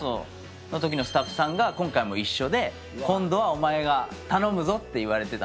そのときのスタッフさんが今回も一緒で「今度はお前が頼むぞ」と言われてたんだよね。